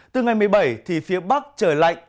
từ ngày một mươi bảy thì phía bắc trời lạnh